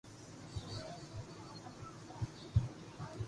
تموني نو ماري زبون ري بارا ۾ جملا ٺائين